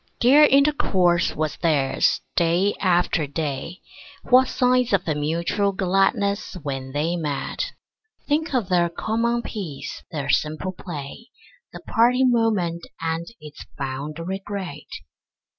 Dear intercourse was theirs, day after day; What signs of mutual gladness when they met! Think of their common peace, their simple play, The parting moment and its fond regret.